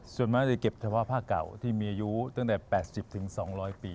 ส่วนมากจะเก็บเฉพาะผ้าเก่าที่มีอายุตั้งแต่๘๐๒๐๐ปี